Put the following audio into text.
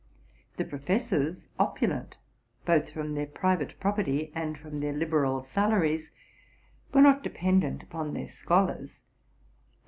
The pro fessors, opulent both from their private property and from their liberal salaries, were not dependent upon their scholars ; and.